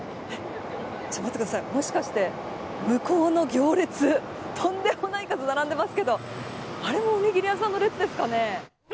もしかして向こうの行列とんでもない数並んでますけどあれもおにぎり屋さんの列ですかね。